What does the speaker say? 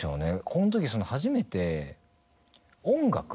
このとき初めて音楽